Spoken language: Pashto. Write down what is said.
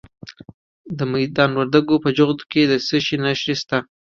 د میدان وردګو په جغتو کې د څه شي نښې دي؟